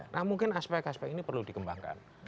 nah mungkin aspek aspek ini perlu dikembangkan